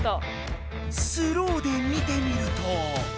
スローで見てみると。